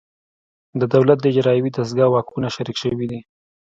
د دولت د اجرایوي دستگاه واکونه شریک شوي دي